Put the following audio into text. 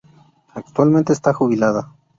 Actualmente está jubilada.